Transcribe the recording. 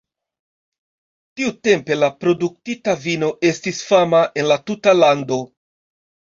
Tiutempe la produktita vino estis fama en la tuta lando.